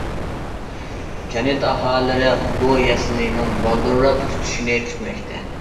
كەنت ئاھالىلىرى بۇ يەسلىنىڭ بالدۇرراق پۈتۈشىنى كۈتمەكتە.